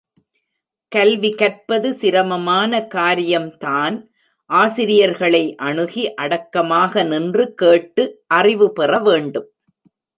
கல்வி கற்பது சிரமமான காரியம்தான் ஆசிரியர்களை அணுகி அடக்கமாக நின்று கேட்டு அறிவு பெறவேண்டும்.